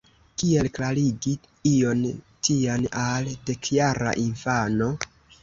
Kiel klarigi ion tian al dekjara infano?